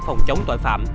phòng chống tội phạm